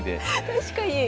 確かに。